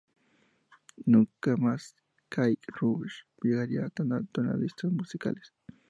Nunca más Kate Bush llegaría tan alto en las listas musicales.